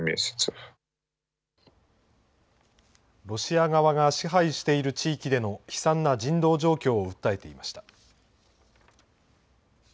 ロシア側が支配している地域での悲惨な人道状況を訴えていました。